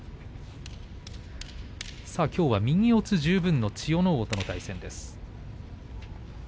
きょうは右四つ十分の千代ノ皇との対戦です。